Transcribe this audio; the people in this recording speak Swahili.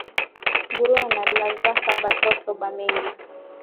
Nguruwe anazalaka ba toto ba mingi